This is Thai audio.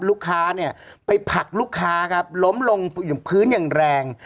ลูกค้าเนี่ยไปผลักลูกค้าครับล้มลงอย่างพื้นอย่างแรง